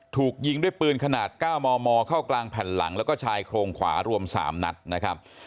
ถูกยิงด้วยปืนขนาด๙มมเข้ากลางแผ่นหลังแล้วก็ชายโครงขวารวม๓นัดนะครับ